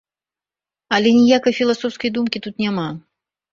Але ніякай філасофскай думкі тут няма.